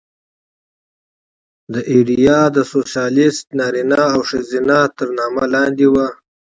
دا ایډیا د سوسیالېست نارینه او ښځه تر نامه لاندې وه